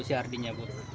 si ar di sini bu